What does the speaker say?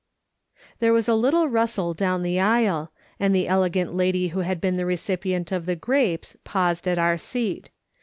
There was a little rustle down the aisle, and the elegant lady who had been the recipient of the grapes, paused at our seat.